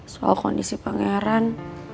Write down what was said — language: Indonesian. soal kondisi penggeran